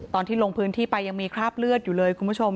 ตอนที่ลงพื้นที่ไปยังมีคราบเลือดอยู่เลยคุณผู้ชม